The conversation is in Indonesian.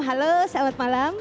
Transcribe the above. halo selamat malam